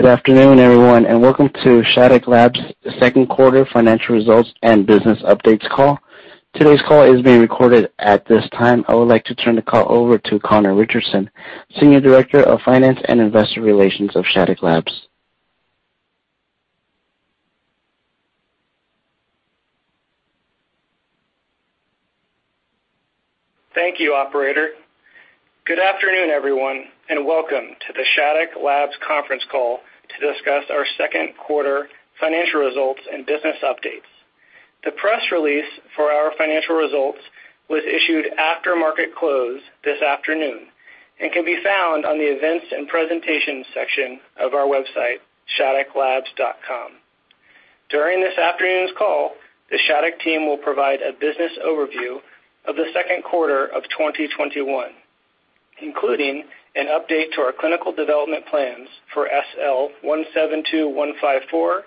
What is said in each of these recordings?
Good afternoon, everyone, and welcome to Shattuck Labs' second quarter financial results and business updates call. Today's call is being recorded. At this time, I would like to turn the call over to Conor Richardson, Senior Director of Finance and Investor Relations of Shattuck Labs. Thank you, operator. Good afternoon, everyone, and welcome to the Shattuck Labs conference call to discuss our second quarter financial results and business updates. The press release for our financial results was issued after market close this afternoon and can be found on the Events and Presentations section of our website, shattucklabs.com. During this afternoon's call, the Shattuck team will provide a business overview of the second quarter of 2021, including an update to our clinical development plans for SL-172154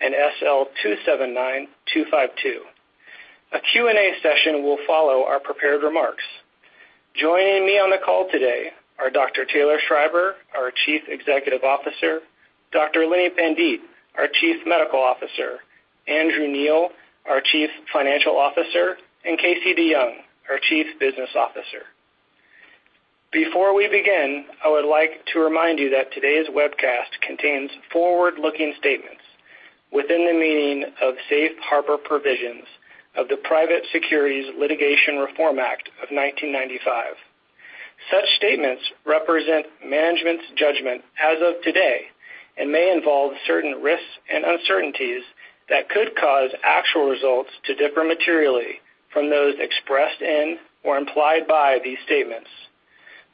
and SL-279252. A Q&A session will follow our prepared remarks. Joining me on the call today are Dr. Taylor Schreiber, our Chief Executive Officer, Dr. Lini Pandite, our Chief Medical Officer, Andrew Neill, our Chief Financial Officer, and Casi DeYoung, our Chief Business Officer. Before we begin, I would like to remind you that today's webcast contains forward-looking statements within the meaning of safe harbor provisions of the Private Securities Litigation Reform Act of 1995. Such statements represent management's judgment as of today and may involve certain risks and uncertainties that could cause actual results to differ materially from those expressed in or implied by these statements.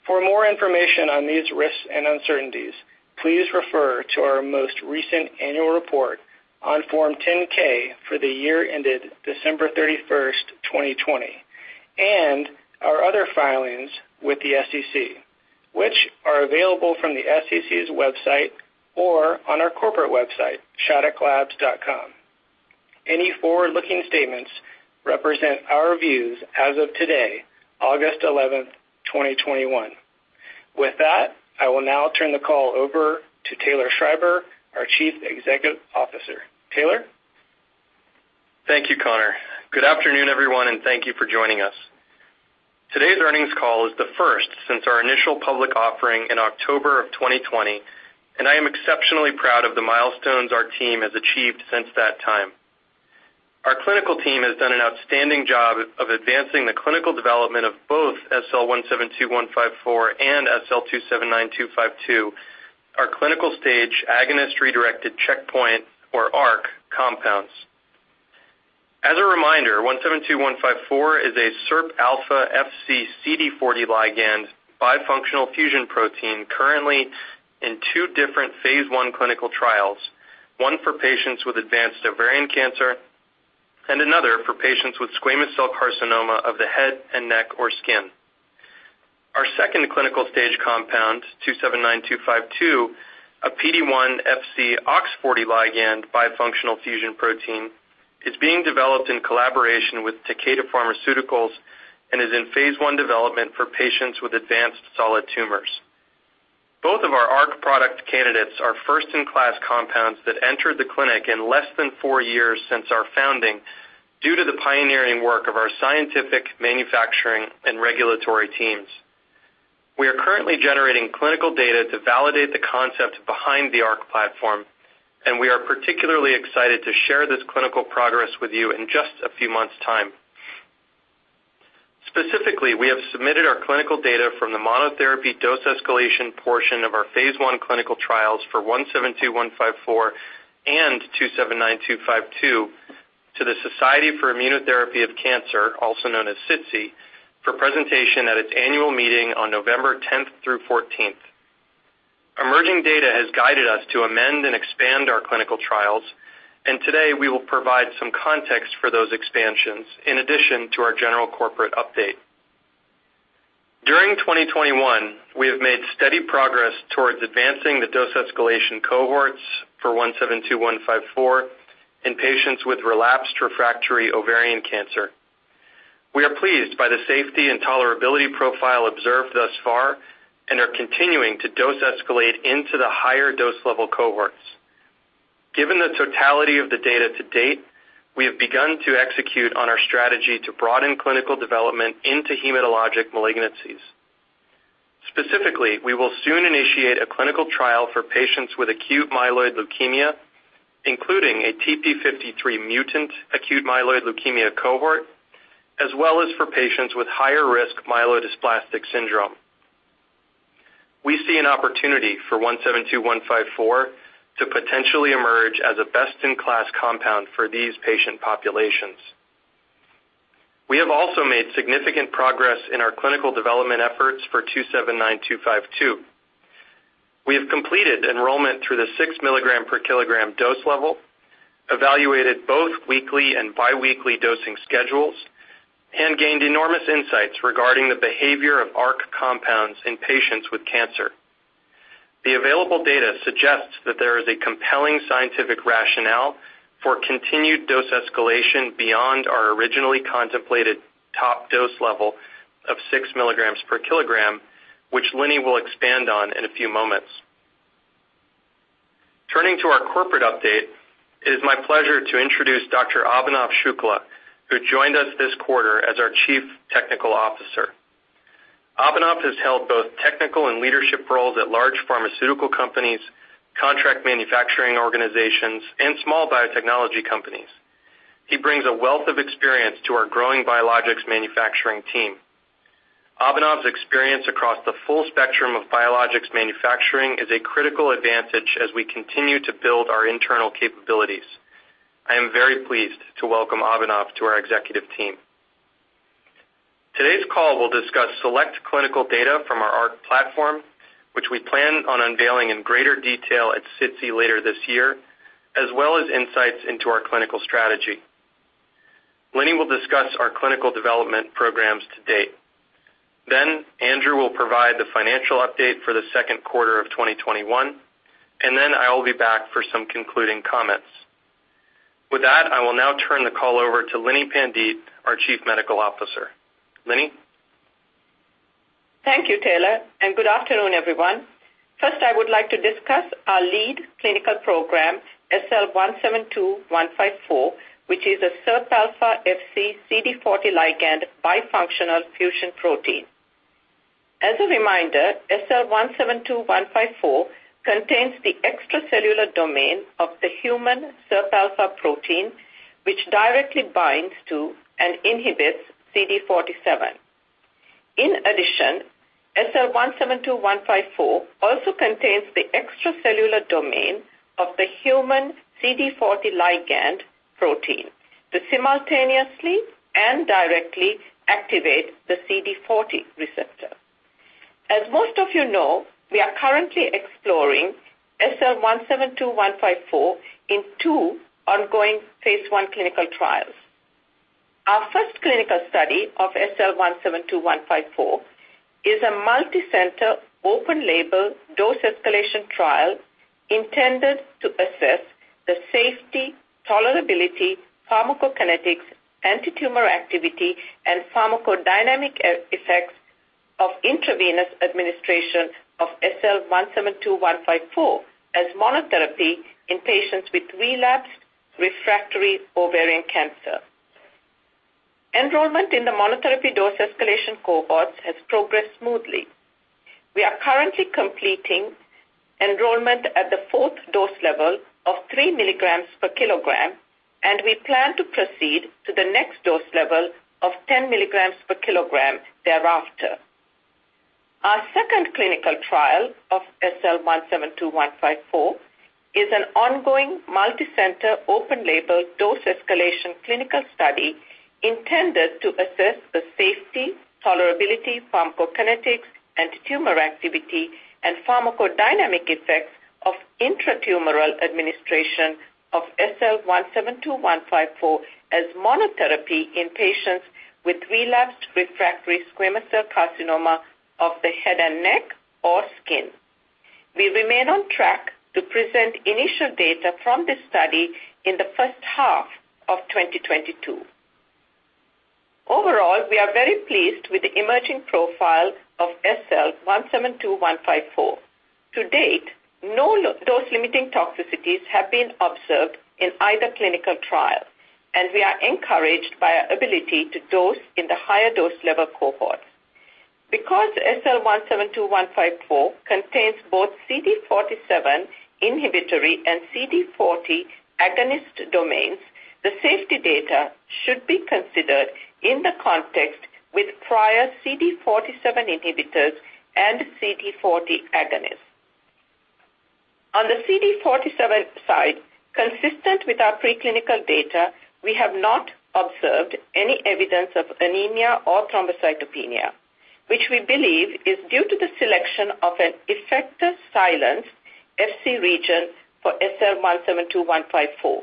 For more information on these risks and uncertainties, please refer to our most recent annual report on Form 10-K for the year ended December 31st, 2020, and our other filings with the SEC, which are available from the SEC's website or on our corporate website, shattucklabs.com. Any forward-looking statements represent our views as of today, August 11th, 2021. With that, I will now turn the call over to Taylor Schreiber, our Chief Executive Officer. Taylor? Thank you, Conor. Good afternoon, everyone, and thank you for joining us. Today's earnings call is the first since our initial public offering in October of 2020, and I am exceptionally proud of the milestones our team has achieved since that time. Our clinical team has done an outstanding job of advancing the clinical development of both SL-172154 and SL-279252, our clinical stage Agonist Redirected Checkpoint, or ARC compounds. As a reminder, 172154 is a SIRPalpha-Fc CD40 ligand bifunctional fusion protein currently in two different phase I clinical trials, one for patients with advanced ovarian cancer and another for patients with squamous cell carcinoma of the head and neck or skin. Our second clinical stage compound, 279252, a PD-1 Fc OX40 ligand bifunctional fusion protein, is being developed in collaboration with Takeda Pharmaceuticals and is in phase I development for patients with advanced solid tumors. Both of our ARC product candidates are first-in-class compounds that entered the clinic in less than four years since our founding due to the pioneering work of our scientific, manufacturing, and regulatory teams. We are currently generating clinical data to validate the concept behind the ARC platform, and we are particularly excited to share this clinical progress with you in just a few months' time. Specifically, we have submitted our clinical data from the monotherapy dose escalation portion of our phase I clinical trials for 172154 and 279252 to the Society for Immunotherapy of Cancer, also known as SITC, for presentation at its annual meeting on November 10th through 14th. Emerging data has guided us to amend and expand our clinical trials. Today we will provide some context for those expansions in addition to our general corporate update. During 2021, we have made steady progress towards advancing the dose escalation cohorts for SL-172154 in patients with relapsed/refractory ovarian cancer. We are pleased by the safety and tolerability profile observed thus far and are continuing to dose escalate into the higher dose-level cohorts. Given the totality of the data to date, we have begun to execute on our strategy to broaden clinical development into hematologic malignancies. Specifically, we will soon initiate a clinical trial for patients with acute myeloid leukemia, including a TP53 mutant acute myeloid leukemia cohort, as well as for patients with higher risk myelodysplastic syndrome. We see an opportunity for SL-172154 to potentially emerge as a best-in-class compound for these patient populations. We have also made significant progress in our clinical development efforts for SL-279252. We have completed enrollment through the 6 milligram per kilogram dose level, evaluated both weekly and biweekly dosing schedules, and gained enormous insights regarding the behavior of ARC compounds in patients with cancer. The available data suggests that there is a compelling scientific rationale for continued dose escalation beyond our originally contemplated top dose level of 6 milligrams per kilogram, which Lini will expand on in a few moments. Turning to our corporate update, it is my pleasure to introduce Dr. Abhinav Shukla, who joined us this quarter as our Chief Technical Officer. Abhinav has held both technical and leadership roles at large pharmaceutical companies, contract manufacturing organizations, and small biotechnology companies. He brings a wealth of experience to our growing biologics manufacturing team. Abhinav's experience across the full spectrum of biologics manufacturing is a critical advantage as we continue to build our internal capabilities. I am very pleased to welcome Abhinav to our executive team. Today's call will discuss select clinical data from our ARC platform, which we plan on unveiling in greater detail at SITC later this year, as well as insights into our clinical strategy. Lini will discuss our clinical development programs to date, then Andrew will provide the financial update for the second quarter of 2021, and then I will be back for some concluding comments. With that, I will now turn the call over to Lini Pandite, our Chief Medical Officer. Lini? Thank you, Taylor. Good afternoon, everyone. First, I would like to discuss our lead clinical program, SL-172154, which is a SIRPalpha Fc CD40 ligand bifunctional fusion protein. As a reminder, SL-172154 contains the extracellular domain of the human SIRPalpha protein, which directly binds to and inhibits CD47. In addition, SL-172154 also contains the extracellular domain of the human CD40 ligand protein to simultaneously and directly activate the CD40 receptor. As most of you know, we are currently exploring SL-172154 in two ongoing phase I clinical trials. Our first clinical study of SL-172154 is a multicenter open-label dose escalation trial intended to assess the safety, tolerability, pharmacokinetics, antitumor activity, and pharmacodynamic effects of intravenous administration of SL-172154 as monotherapy in patients with relapsed refractory ovarian cancer. Enrollment in the monotherapy dose escalation cohort has progressed smoothly. We are currently completing enrollment at the fourth dose level of 3 milligrams per kilogram, and we plan to proceed to the next dose level of 10 milligrams per kilogram thereafter. Our second clinical trial of SL-172154 is an ongoing multicenter open-label dose escalation clinical study intended to assess the safety, tolerability, pharmacokinetics, antitumor activity, and pharmacodynamic effects of intratumoral administration of SL-172154 as monotherapy in patients with relapsed refractory squamous cell carcinoma of the head and neck or skin. We remain on track to present initial data from this study in the first half of 2022. Overall, we are very pleased with the emerging profile of SL-172154. To date, no dose-limiting toxicities have been observed in either clinical trial, and we are encouraged by our ability to dose in the higher dose level cohort. Because SL-172154 contains both CD47 inhibitory and CD40 agonist domains, the safety data should be considered in the context with prior CD47 inhibitors and CD40 agonists. On the CD47 side, consistent with our preclinical data, we have not observed any evidence of anemia or thrombocytopenia, which we believe is due to the selection of an effector-silent Fc region for SL-172154.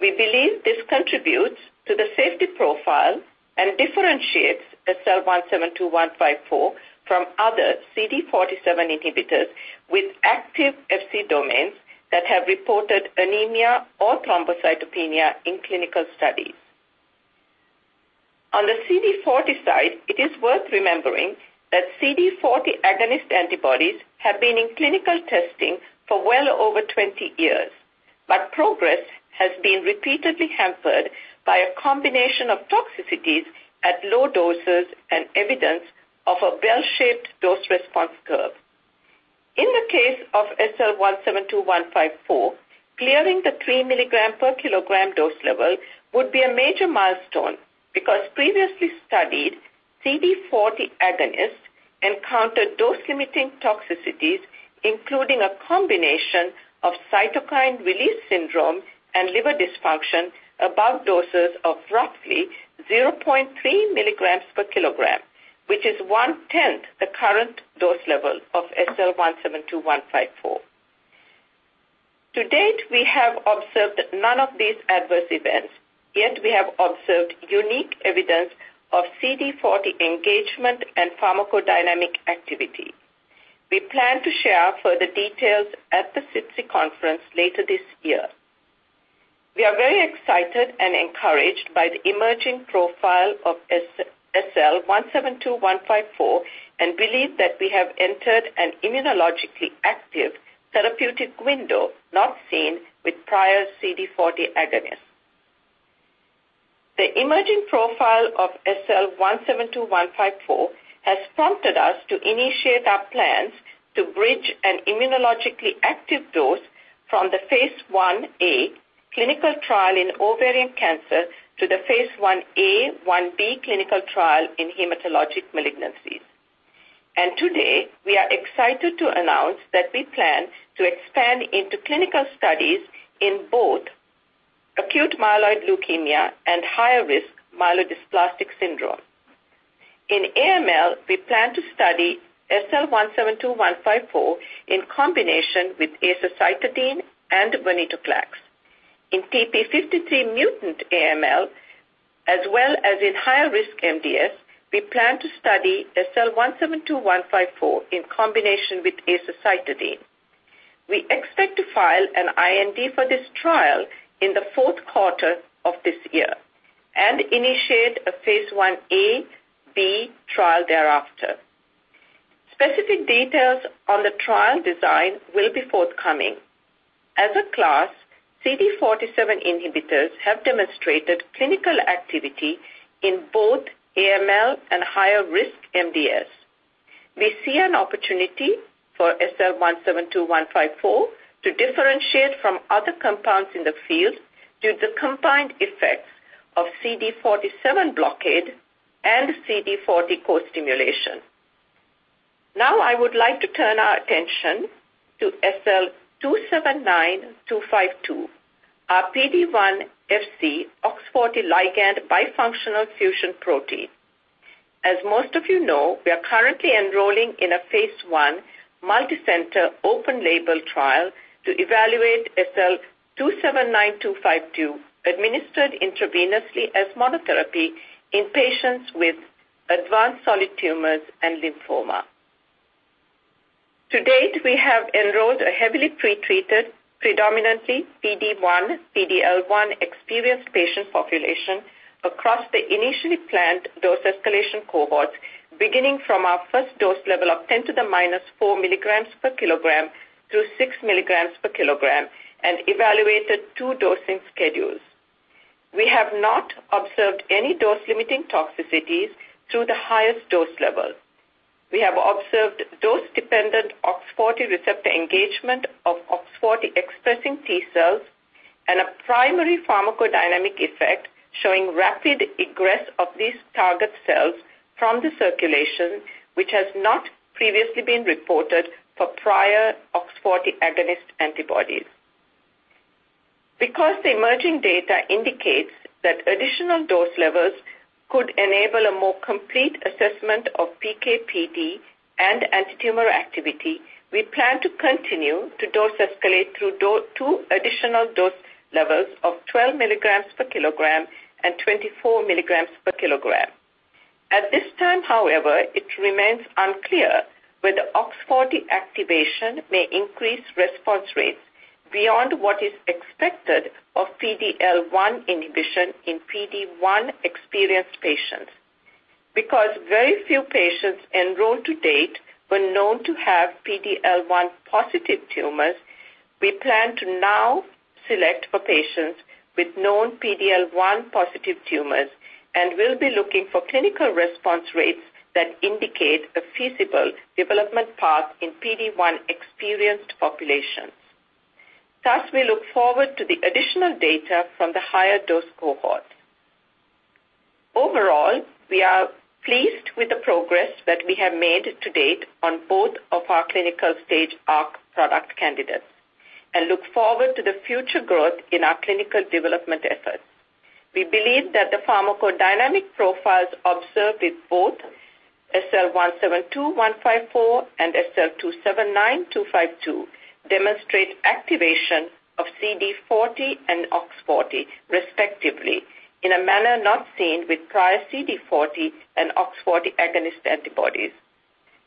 We believe this contributes to the safety profile and differentiates SL-172154 from other CD47 inhibitors with active Fc domains that have reported anemia or thrombocytopenia in clinical studies. On the CD40 side, it is worth remembering that CD40 agonist antibodies have been in clinical testing for well over 20 years. Progress has been repeatedly hampered by a combination of toxicities at low doses and evidence of a bell-shaped dose-response curve. In the case of SL-172154, clearing the 3-milligram per kilogram dose level would be a major milestone because previously studied CD40 agonists encountered dose-limiting toxicities, including a combination of cytokine release syndrome and liver dysfunction above doses of roughly 0.3 milligrams per kilogram, which is 1/10 the current dose level of SL-172154. To date, we have observed none of these adverse events, yet we have observed unique evidence of CD40 engagement and pharmacodynamic activity. We plan to share further details at the SITC conference later this year. We are very excited and encouraged by the emerging profile of SL-172154 and believe that we have entered an immunologically active therapeutic window not seen with prior CD40 agonists. The emerging profile of SL-172154 has prompted us to initiate our plans to bridge an immunologically active dose from the phase I-A clinical trial in ovarian cancer to the phase I-A/I-B clinical trial in hematologic malignancies. Today, we are excited to announce that we plan to expand into clinical studies in both acute myeloid leukemia and high-risk myelodysplastic syndrome. In AML, we plan to study SL-172154 in combination with azacitidine and venetoclax. In TP53 mutant AML, as well as in higher-risk MDS, we plan to study SL-172154 in combination with azacitidine. We expect to file an IND for this trial in the fourth quarter of this year and initiate a phase I-A/I-B trial thereafter. Specific details on the trial design will be forthcoming. As a class, CD47 inhibitors have demonstrated clinical activity in both AML and higher-risk MDS. We see an opportunity for SL-172154 to differentiate from other compounds in the field due to combined effects of CD47 blockade and CD40 co-stimulation. Now, I would like to turn our attention to SL-279252, our PD-1 FC OX40 ligand bifunctional fusion protein. As most of you know, we are currently enrolling in a phase I multicenter open label trial to evaluate SL-279252 administered intravenously as monotherapy in patients with advanced solid tumors and lymphoma. To date, we have enrolled a heavily pretreated, predominantly PD-1, PD-L1-experienced patient population across the initially planned dose escalation cohorts, beginning from our first dose level of 10^-4 milligrams per kilogram to 6 milligrams per kilogram, and evaluated two dosing schedules. We have not observed any dose-limiting toxicities through the highest dose level. We have observed dose-dependent OX40 receptor engagement of OX40-expressing T cells and a primary pharmacodynamic effect showing rapid egress of these target cells from the circulation, which has not previously been reported for prior OX40 agonist antibodies. Because the emerging data indicates that additional dose levels could enable a more complete assessment of PK/PD and antitumor activity, we plan to continue to dose escalate through two additional dose levels of 12 mg/kg and 24 mg/kg. At this time, however, it remains unclear whether OX40 activation may increase response rates beyond what is expected of PD-L1 inhibition in PD-1-experienced patients. Because very few patients enrolled to date were known to have PD-L1-positive tumors, we plan to now select for patients with known PD-L1-positive tumors and will be looking for clinical response rates that indicate a feasible development path in PD-1-experienced populations. Thus, we look forward to the additional data from the higher dose cohort. Overall, we are pleased with the progress that we have made to date on both of our clinical stage ARC product candidates and look forward to the future growth in our clinical development efforts. We believe that the pharmacodynamic profiles observed with both SL-172154 and SL-279252 demonstrate activation of CD40 and OX40 respectively, in a manner not seen with prior CD40 and OX40 agonist antibodies.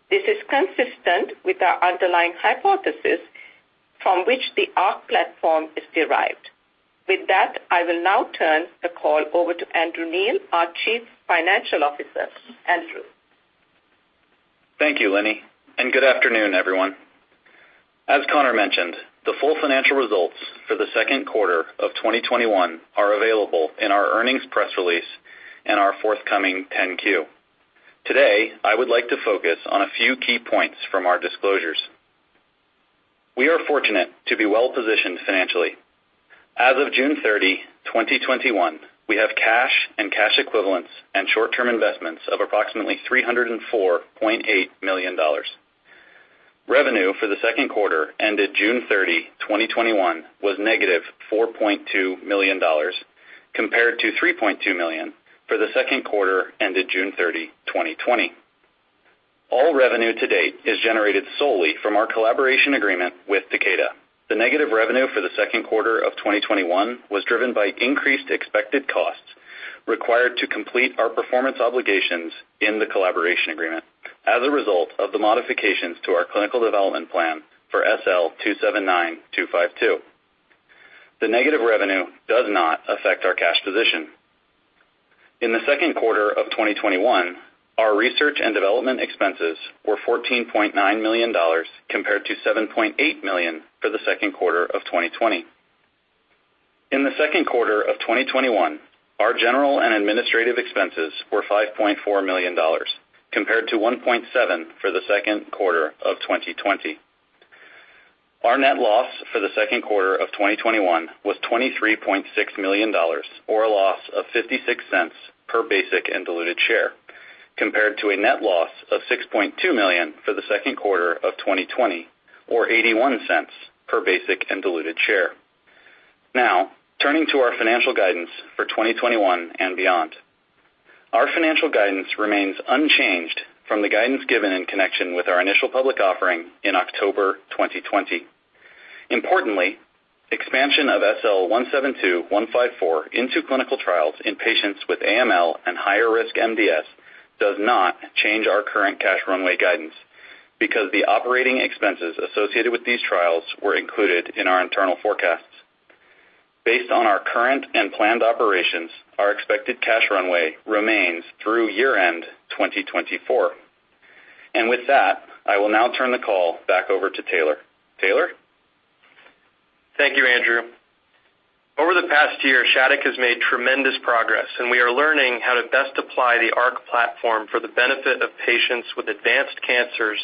This is consistent with our underlying hypothesis from which the ARC platform is derived. With that, I will now turn the call over to Andrew Neill, our Chief Financial Officer. Andrew. Thank you, Lini, and good afternoon, everyone. As Conor mentioned, the full financial results for the second quarter of 2021 are available in our earnings press release and our forthcoming 10-Q. Today, I would like to focus on a few key points from our disclosures. We are fortunate to be well-positioned financially. As of June 30, 2021, we have cash and cash equivalents and short-term investments of approximately $304.8 million. Revenue for the second quarter ended June 30, 2021, was negative $4.2 million compared to $3.2 million for the second quarter ended June 30, 2020. All revenue to date is generated solely from our collaboration agreement with Takeda. The negative revenue for the second quarter of 2021 was driven by increased expected costs required to complete our performance obligations in the collaboration agreement as a result of the modifications to our clinical development plan for SL-279252. The negative revenue does not affect our cash position. In the second quarter of 2021, our research and development expenses were $14.9 million, compared to $7.8 million for the second quarter of 2020. In the second quarter of 2021, our general and administrative expenses were $5.4 million, compared to $1.7 million for the second quarter of 2020. Our net loss for the second quarter of 2021 was $23.6 million, or a loss of $0.56 per basic and diluted share, compared to a net loss of $6.2 million for the second quarter of 2020, or $0.81 per basic and diluted share. Turning to our financial guidance for 2021 and beyond. Our financial guidance remains unchanged from the guidance given in connection with our initial public offering in October 2020. Importantly, expansion of SL-172154 into clinical trials in patients with AML and higher-risk MDS does not change our current cash runway guidance, because the operating expenses associated with these trials were included in our internal forecasts. Based on our current and planned operations, our expected cash runway remains through year-end 2024. With that, I will now turn the call back over to Taylor. Taylor? Thank you, Andrew. Over the past year, Shattuck has made tremendous progress, and we are learning how to best apply the ARC platform for the benefit of patients with advanced cancers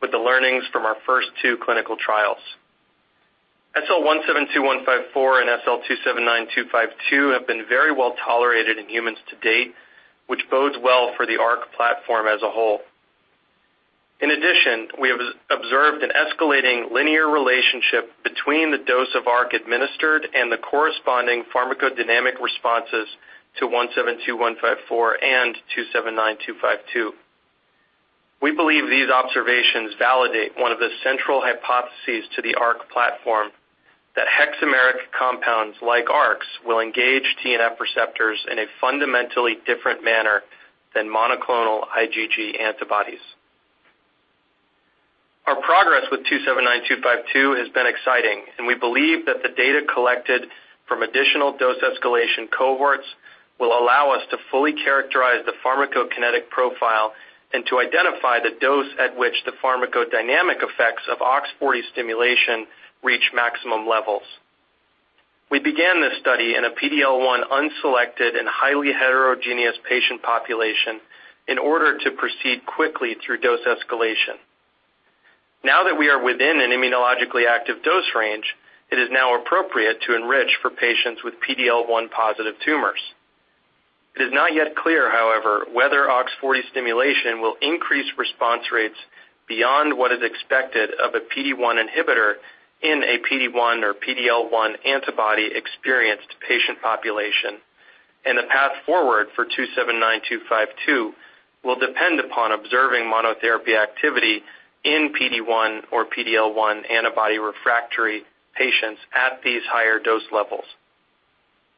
with the learnings from our first two clinical trials. SL-172154 and SL-279252 have been very well tolerated in humans to date, which bodes well for the ARC platform as a whole. In addition, we have observed an escalating linear relationship between the dose of ARC administered and the corresponding pharmacodynamic responses to 172154 and 279252. We believe these observations validate one of the central hypotheses to the ARC platform that hexameric compounds like ARCs will engage TNF receptors in a fundamentally different manner than monoclonal IgG antibodies. Our progress with SL-279252 has been exciting, and we believe that the data collected from additional dose escalation cohorts will allow us to fully characterize the pharmacokinetic profile and to identify the dose at which the pharmacodynamic effects of OX40 stimulation reach maximum levels. We began this study in a PD-L1 unselected and highly heterogeneous patient population in order to proceed quickly through dose escalation. Now that we are within an immunologically active dose range, it is now appropriate to enrich for patients with PD-L1 positive tumors. It is not yet clear, however, whether OX40 stimulation will increase response rates beyond what is expected of a PD-1 inhibitor in a PD-1 or PD-L1 antibody-experienced patient population, and the path forward for SL-279252 will depend upon observing monotherapy activity in PD-1 or PD-L1 antibody-refractory patients at these higher dose levels.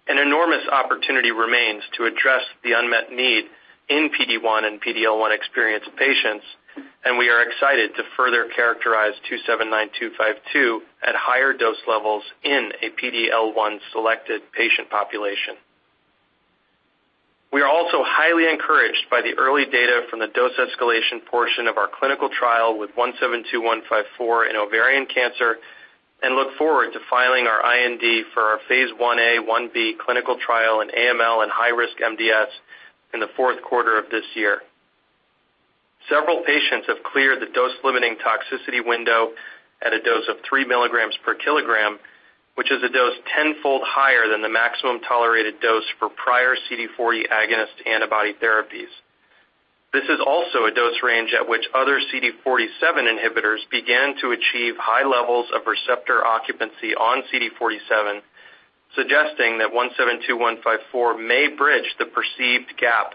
An enormous opportunity remains to address the unmet need in PD-1 and PD-L1-experienced patients, and we are excited to further characterize SL-279252 at higher dose levels in a PD-L1-selected patient population. We are also highly encouraged by the early data from the dose escalation portion of our clinical trial with SL-172154 in ovarian cancer and look forward to filing our IND for our Phase I-A/I-B clinical trial in AML and high-risk MDS in the fourth quarter of this year. Several patients have cleared the dose-limiting toxicity window at a dose of 3 milligrams per kilogram, which is a dose 10-fold higher than the maximum tolerated dose for prior CD40 agonist antibody therapies. This is also a dose range at which other CD47 inhibitors began to achieve high levels of receptor occupancy on CD47, suggesting that 172154 may bridge the perceived gap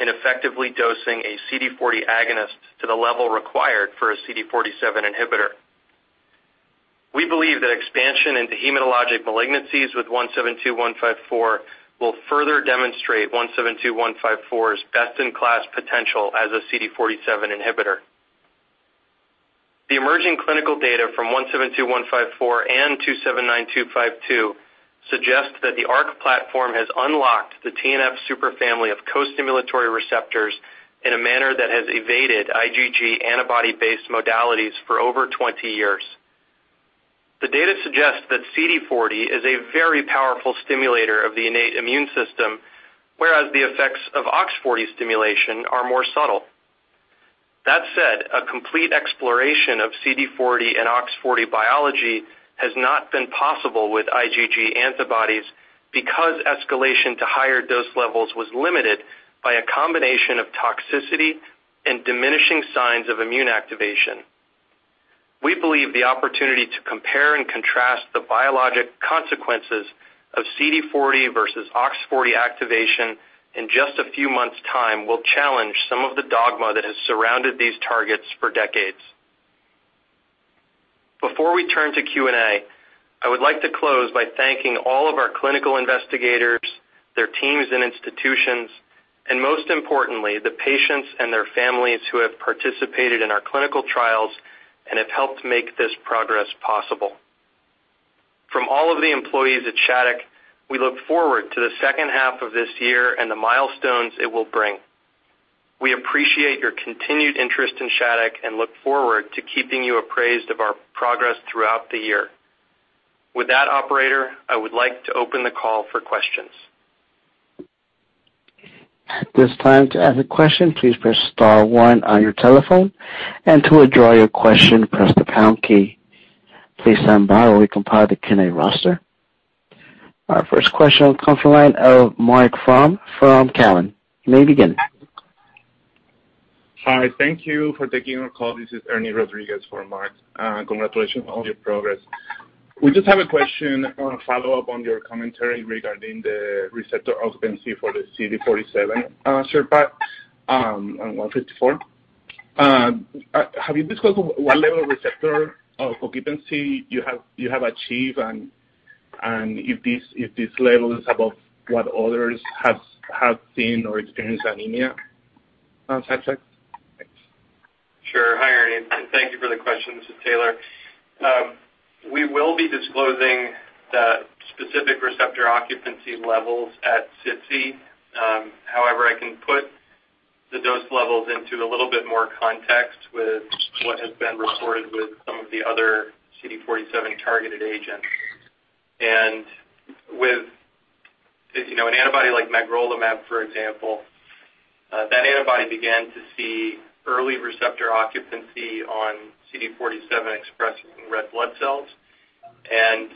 in effectively dosing a CD40 agonist to the level required for a CD47 inhibitor. We believe that expansion into hematologic malignancies with 172154 will further demonstrate 172154's best-in-class potential as a CD47 inhibitor. The emerging clinical data from 172154 and 279252 suggests that the ARC platform has unlocked the TNF superfamily of costimulatory receptors in a manner that has evaded IgG antibody-based modalities for over 20 years. The data suggests that CD40 is a very powerful stimulator of the innate immune system, whereas the effects of OX40 stimulation are more subtle. A complete exploration of CD40 and OX40 biology has not been possible with IgG antibodies because escalation to higher dose levels was limited by a combination of toxicity and diminishing signs of immune activation. We believe the opportunity to compare and contrast the biologic consequences of CD40 versus OX40 activation in just a few months' time will challenge some of the dogma that has surrounded these targets for decades. Before we turn to Q&A, I would like to close by thanking all of our clinical investigators, their teams and institutions, and most importantly, the patients and their families who have participated in our clinical trials and have helped make this progress possible. From all of the employees at Shattuck, we look forward to the second half of this year and the milestones it will bring. We appreciate your continued interest in Shattuck and look forward to keeping you appraised of our progress throughout the year. With that operator, I would like to open the call for questions. Our first question comes from the line of Marc Frahm from Cowen. You may begin. Hi. Thank you for taking our call. This is Ernesto Rodriguez-Dumont for Marc Frahm. Congratulations on your progress. We just have a question on a follow-up on your commentary regarding the receptor occupancy for the CD47, SIRPalpha and 154. Have you discussed what level of receptor occupancy you have achieved, and if this level is above what others have seen or experienced anemia on Shattuck? Thanks. Sure. Hi, Ernie, thank you for the question. This is Taylor. We will be disclosing the specific receptor occupancy levels at SITC. However, I can put the dose levels into a little bit more context with what has been reported with some of the other CD47 targeted agents. With an antibody like magrolimab, for example, that antibody began to see early receptor occupancy on CD47 expressing red blood cells and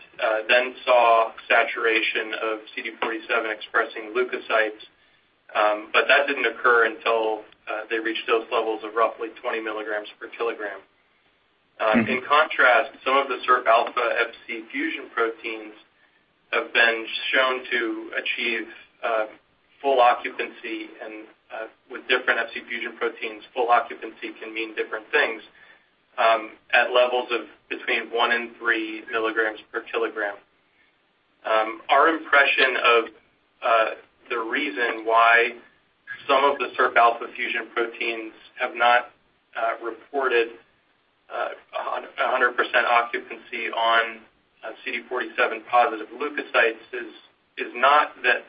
then saw saturation of CD47 expressing leukocytes. That didn't occur until they reached dose levels of roughly 20 milligrams per kilogram. In contrast, some of the SIRPalpha-Fc fusion proteins have been shown to achieve full occupancy, and with different Fc fusion proteins, full occupancy can mean different things at levels of between 1 and 3 milligrams per kilogram. Our impression of the reason why some of the SIRPalpha fusion proteins have not reported 100% occupancy on CD47 positive leukocytes is not that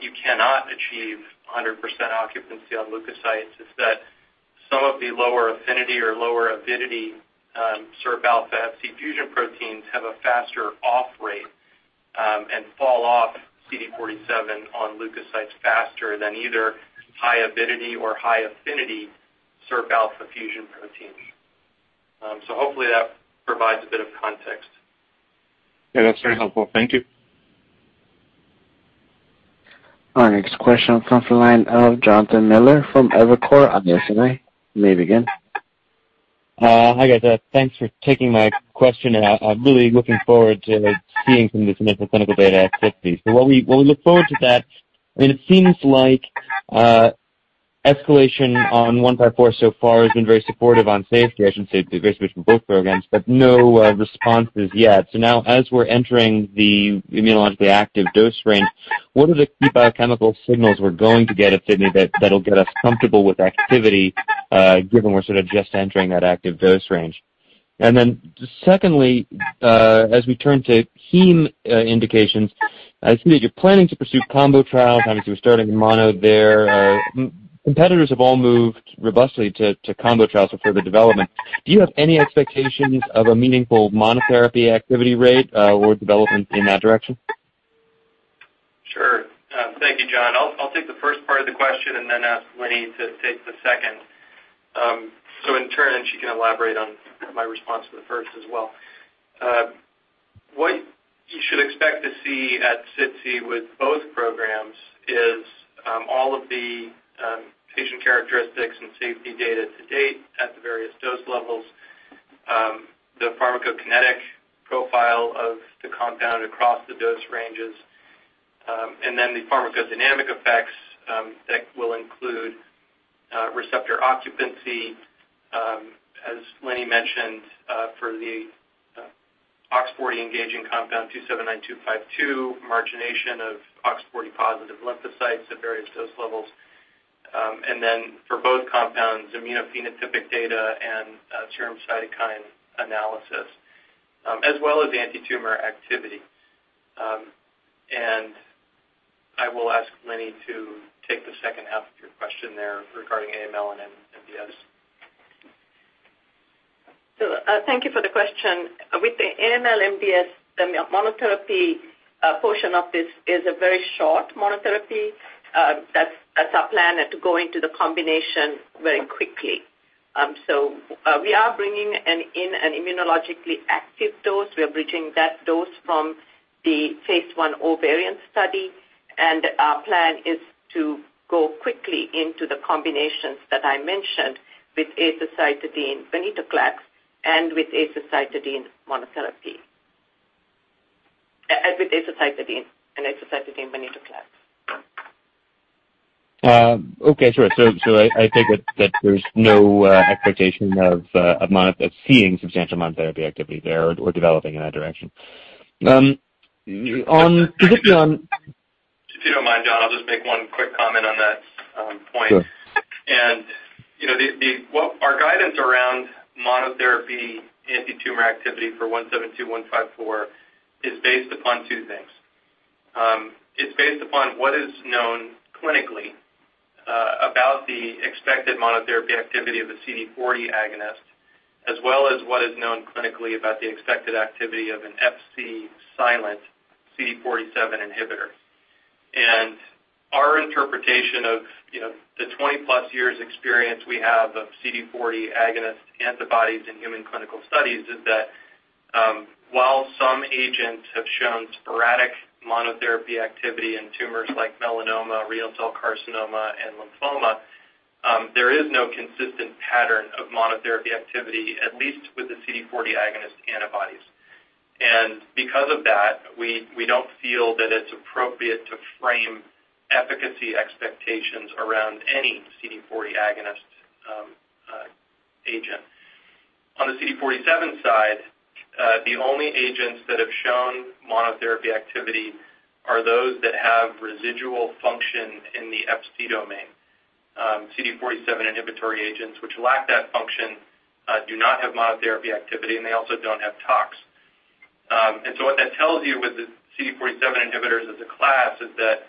you cannot achieve 100% occupancy on leukocytes. It's that some of the lower affinity or lower avidity SIRPalpha Fc fusion proteins have a faster off rate and fall off CD47 on leukocytes faster than either high avidity or high affinity SIRPalpha fusion proteins. Hopefully that provides a bit of context. Yeah, that's very helpful. Thank you. Our next question comes from the line of Jonathan Miller from Evercore ISI. You may begin. Hi, guys. Thanks for taking my question. I'm really looking forward to seeing some of this clinical data at SITC. While we look forward to that, it seems like escalation on 154 so far has been very supportive on safety, I should say, the great switch for both programs, but no responses yet. Now as we're entering the immunologically active dose range, what are the key biochemical signals we're going to get at SITC that'll get us comfortable with activity, given we're sort of just entering that active dose range? Secondly, as we turn to Heme indications, I assume that you're planning to pursue combo trials. Obviously, we're starting mono there. Competitors have all moved robustly to combo trials for further development. Do you have any expectations of a meaningful monotherapy activity rate or development in that direction? Sure. Thank you, Jon. I'll take the first part of the question and then ask Lini to take the second. In turn, she can elaborate on my response to the first as well. What you should expect to see at SITC with both programs is all of the patient characteristics and safety data to date at the various dose levels, the pharmacokinetic profile of the compound across the dose ranges, and then the pharmacodynamic effects that will include receptor occupancy, as Lini mentioned for the OX40 engaging compound 279252, margination of OX40 positive lymphocytes at various dose levels. For both compounds, immunophenotypic data and serum cytokine analysis, as well as antitumor activity. I will ask Lini to take the second half of your question there regarding AML and MDS. Thank you for the question. With the AML MDS monotherapy portion of this is a very short monotherapy. That's our plan to go into the combination very quickly. We are bringing in an immunologically active dose. We are bridging that dose from the phase I ovarian study, and our plan is to go quickly into the combinations that I mentioned with azacitidine venetoclax and with azacitidine monotherapy. With azacitidine and azacitidine venetoclax. Okay, sure. I take it that there's no expectation of seeing substantial monotherapy activity there or developing in that direction. On tocilizumab. If you don't mind, Jon, I'll just make one quick comment on that point. Sure. Our guidance around monotherapy anti-tumor activity for SL-172154 is based upon two things. It's based upon what is known clinically about the expected monotherapy activity of a CD40 agonist, as well as what is known clinically about the expected activity of an Fc-silent CD47 inhibitor. Our interpretation of the 20+years experience we have of CD40 agonist antibodies in human clinical studies is that while some agents have shown sporadic monotherapy activity in tumors like melanoma, renal cell carcinoma, and lymphoma, there is no consistent pattern of monotherapy activity, at least with the CD40 agonist antibodies. Because of that, we don't feel that it's appropriate to frame efficacy expectations around any CD40 agonist agent. On the CD47 side, the only agents that have shown monotherapy activity are those that have residual function in the Fc domain. CD47 inhibitory agents, which lack that function, do not have monotherapy activity, and they also don't have tox. What that tells you with the CD47 inhibitors as a class is that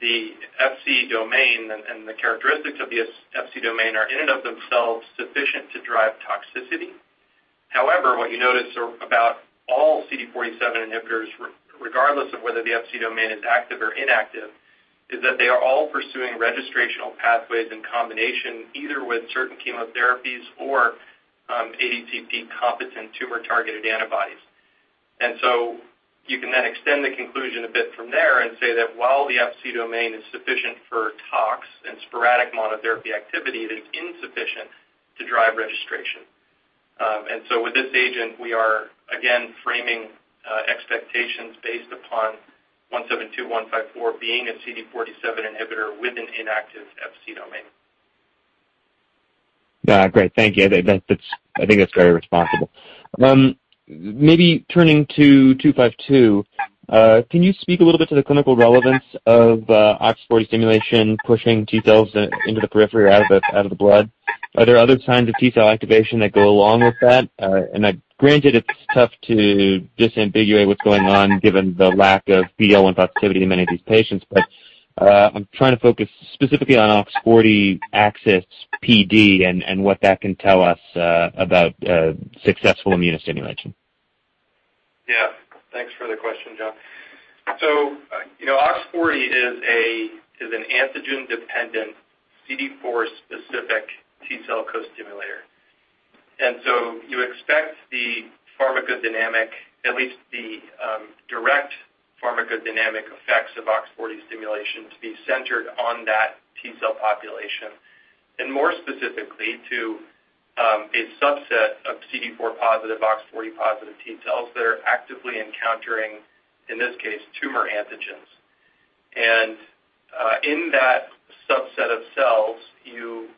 the Fc domain and the characteristics of the Fc domain are in and of themselves sufficient to drive toxicity. However, what you notice about all CD47 inhibitors, regardless of whether the Fc domain is active or inactive, is that they are all pursuing registrational pathways in combination either with certain chemotherapies or ADCP-competent tumor-targeted antibodies. You can then extend the conclusion a bit from there and say that while the Fc domain is sufficient for tox and sporadic monotherapy activity, it is insufficient to drive registration. With this agent, we are again framing expectations based upon SL-172154 being a CD47 inhibitor with an inactive Fc domain. Great. Thank you. I think that's very responsible. Maybe turning to 252, can you speak a little bit to the clinical relevance of OX40 stimulation pushing T-cells into the periphery or out of the blood? Are there other signs of T-cell activation that go along with that? Granted, it's tough to disambiguate what's going on given the lack of BL lymph activity in many of these patients. I'm trying to focus specifically on OX40-axis PD and what that can tell us about successful immunostimulation. Yeah. Thanks for the question, Jon. OX40 is an antigen-dependent CD4-specific T-cell co-stimulator. You expect the pharmacodynamic, at least the direct pharmacodynamic effects of OX40 stimulation to be centered on that T-cell population, and more specifically to a subset of CD4-positive OX40-positive T-cells that are actively encountering, in this case, tumor antigens. In that subset of cells, you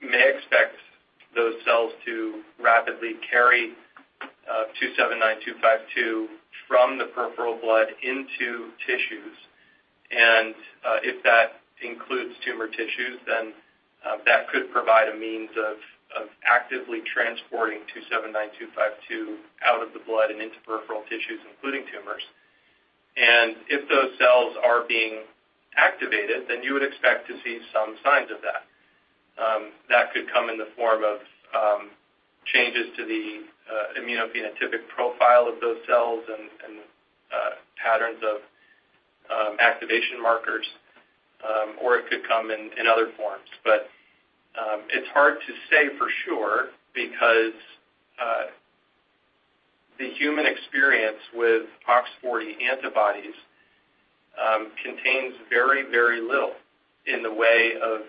may expect those cells to rapidly carry 279252 from the peripheral blood into tissues. If that includes tumor tissues, that could provide a means of actively transporting 279252 out of the blood and into peripheral tissues, including tumors. If those cells are being activated, you would expect to see some signs of that. That could come in the form of changes to the immunophenotypic profile of those cells and patterns of activation markers, or it could come in other forms. It's hard to say for sure because the human experience with OX40 antibodies contains very little in the way of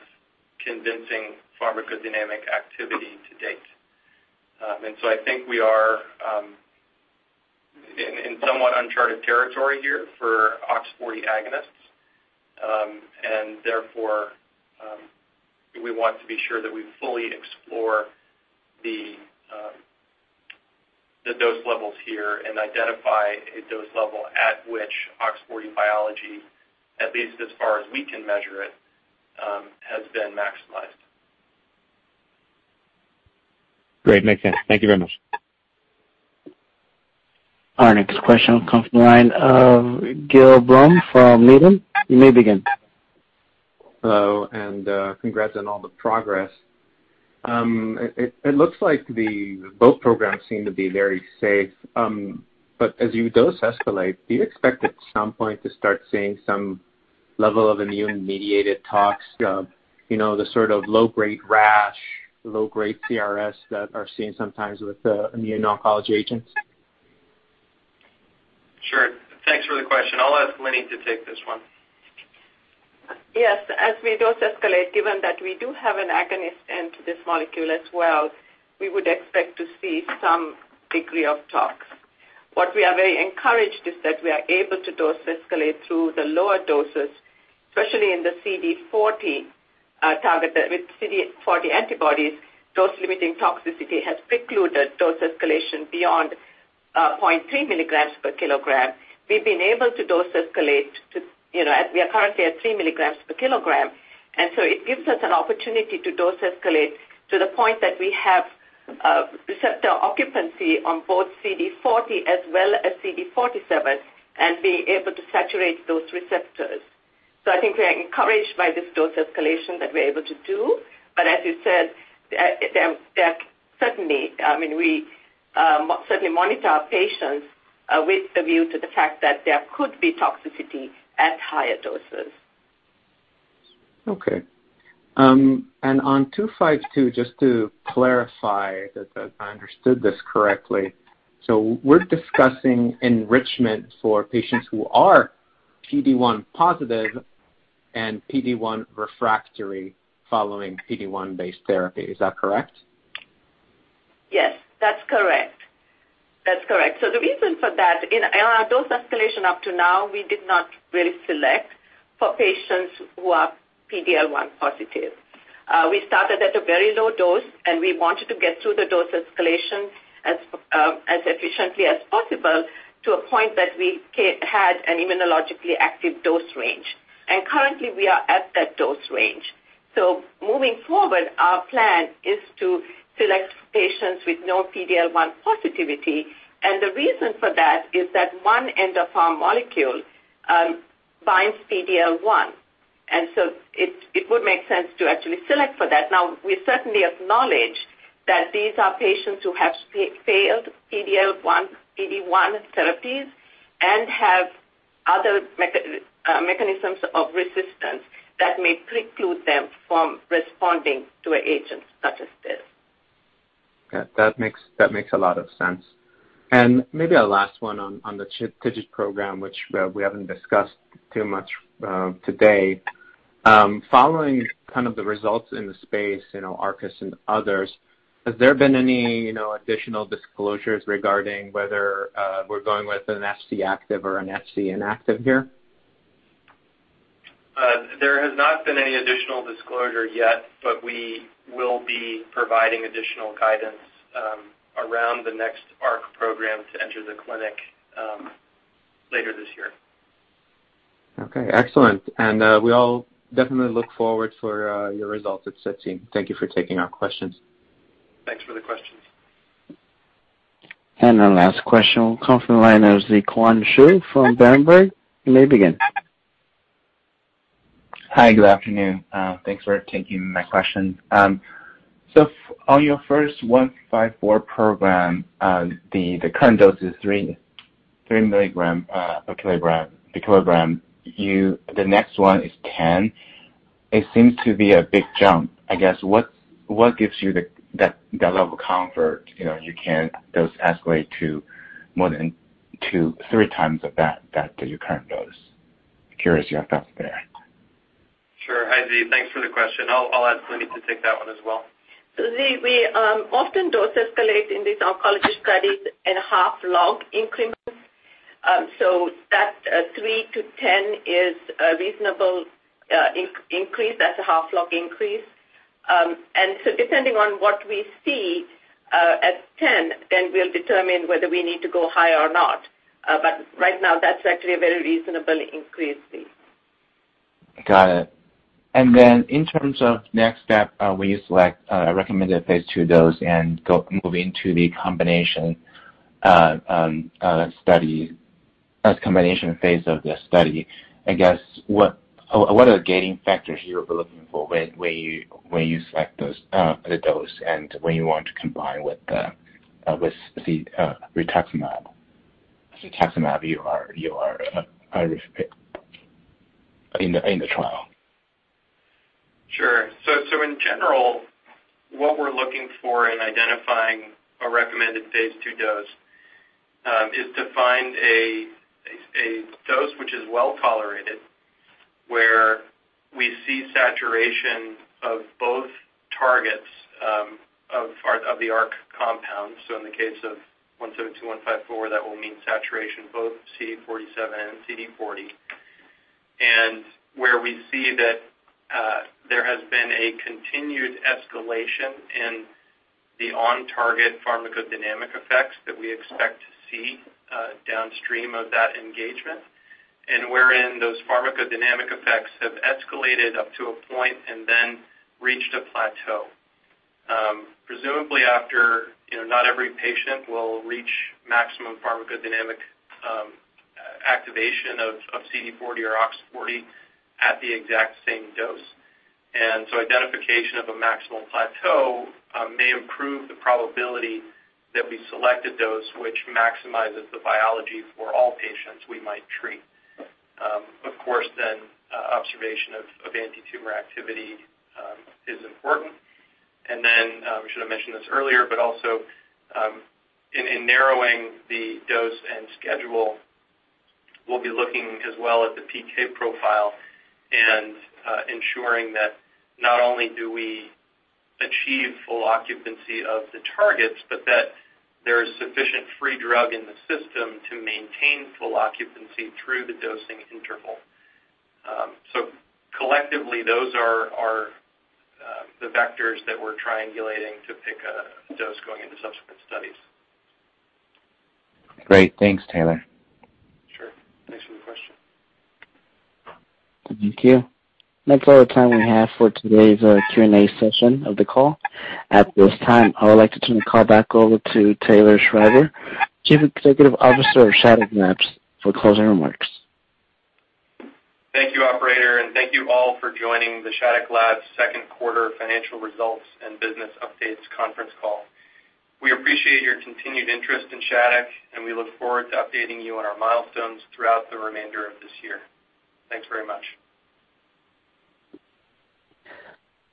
convincing pharmacodynamic activity to date. I think we are in somewhat uncharted territory here for OX40 agonists. Therefore, we want to be sure that we fully explore the dose levels here and identify a dose level at which OX40 biology, at least as far as we can measure it, has been maximized. Great. Makes sense. Thank you very much. Our next question comes from the line of Gil Blum from Needham. You may begin. Hello, congrats on all the progress. It looks like both programs seem to be very safe. As you dose escalate, do you expect at some point to start seeing some level of immune-mediated tox, the sort of low-grade rash, low-grade CRS that are seen sometimes with immune oncology agents? Sure. Thanks for the question. I'll ask Lini to take this one. Yes. As we dose escalate, given that we do have an agonist in this molecule as well, we would expect to see some degree of toxicity. What we are very encouraged is that we are able to dose escalate through the lower doses, especially in the CD40 target. With CD40 antibodies, dose-limiting toxicity has precluded dose escalation beyond 0.3 milligrams per kilogram. We've been able to dose escalate. We are currently at 3 milligrams per kilogram. It gives us an opportunity to dose escalate to the point that we have receptor occupancy on both CD40 as well as CD47 and be able to saturate those receptors. I think we are encouraged by this dose escalation that we're able to do. As you said, we certainly monitor our patients with a view to the fact that there could be toxicity at higher doses. Okay. On 252, just to clarify that I understood this correctly. We're discussing enrichment for patients who are PD-1 positive and PD-1 refractory following PD-1-based therapy. Is that correct? Yes, that's correct. The reason for that, in our dose escalation up to now, we did not really select for patients who are PD-L1 positive. We started at a very low dose, and we wanted to get through the dose escalation as efficiently as possible to a point that we had an immunologically active dose range. Currently, we are at that dose range. Moving forward, our plan is to select patients with no PD-L1 positivity, and the reason for that is that one end of our molecule binds PD-L1, it would make sense to actually select for that. Now, we certainly acknowledge that these are patients who have failed PD-L1, PD-1 therapies and have other mechanisms of resistance that may preclude them from responding to an agent such as this. Okay. That makes a lot of sense. Maybe a last one on the TIGIT program, which we haven't discussed too much today. Following the results in the space, Arcus and others, has there been any additional disclosures regarding whether we're going with an Fc active or an Fc inactive here? There has not been any additional disclosure yet, but we will be providing additional guidance around the next ARC program to enter the clinic later this year. Okay, excellent. We all definitely look forward for your results at SITC. Thank you for taking our questions. Thanks for the questions. Our last question will come from the line of Zhiqiang Shu from Berenberg. You may begin. Hi, good afternoon. Thanks for taking my question. On your first 154 program, the current dose is 3 milligram per kilogram. The next one is 10. It seems to be a big jump. I guess, what gives you that level of comfort you can dose escalate to more than three times of that, to your current dose? Curious your thoughts there. Sure. Hi, Zhi. Thanks for the question. I'll ask Lini to take that one as well. Zhi, we often dose escalate in these oncology studies in half log increments. That three to 10 is a reasonable increase. That's a half log increase. Depending on what we see at 10, then we'll determine whether we need to go higher or not. Right now, that's actually a very reasonable increase, Zhi. Got it. In terms of next step, will you select a recommended phase II dose and move into the combination phase of the study? I guess, what are the gating factors you're looking for when you select the dose and when you want to combine with rituximab in the trial? Sure. In general, what we're looking for in identifying a recommended phase II dose is to find a dose which is well-tolerated, where we see saturation of both targets of the ARC compound. In the case of SL-172154, that will mean saturation of both CD47 and CD40, and where we see that there has been a continued escalation in the on-target pharmacodynamic effects that we expect to see downstream of that engagement, and wherein those pharmacodynamic effects have escalated up to a point and then reached a plateau. Presumably after, not every patient will reach maximum pharmacodynamic activation of CD40 or OX40 at the exact same dose. Identification of a maximal plateau may improve the probability that we selected those which maximizes the biology for all patients we might treat. Of course, observation of anti-tumor activity is important. We should have mentioned this earlier, but also in narrowing the dose and schedule, we'll be looking as well at the PK profile and ensuring that not only do we achieve full occupancy of the targets, but that there is sufficient free drug in the system to maintain full occupancy through the dosing interval. Those are the vectors that we're triangulating to pick a dose going into subsequent studies. Great. Thanks, Taylor. Sure. Thanks for the question. Thank you. That's all the time we have for today's Q&A session of the call. At this time, I would like to turn the call back over to Taylor Schreiber, Chief Executive Officer of Shattuck Labs, for closing remarks. Thank you, operator, and thank you all for joining the Shattuck Labs second quarter financial results and business updates conference call. We appreciate your continued interest in Shattuck, and we look forward to updating you on our milestones throughout the remainder of this year. Thanks very much.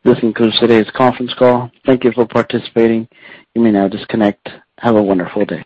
This concludes today's conference call. Thank you for participating. You may now disconnect. Have a wonderful day.